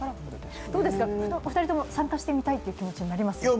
どうですか、２人とも参加してみたいという気持ちになりますか？